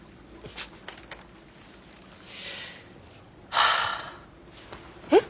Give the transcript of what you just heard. はあ。えっ！？